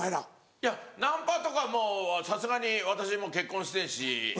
いやナンパとかもうさすがに私も結婚してるし。